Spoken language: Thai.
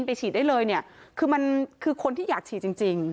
ไปฉีดได้เลยเนี่ยคือมันคือคนที่อยากฉีดจริง